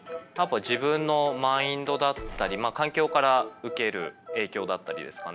自分のマインドだったり環境から受ける影響だったりですかね。